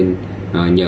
nhờ số điện thoại